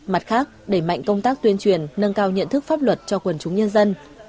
mặt khác đẩy mạnh công tác tuyên truyền nâng cao nhận thức pháp luật cho quần chúng nhân dân